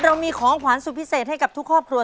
เรามีของขวัญสุดพิเศษให้กับทุกครอบครัว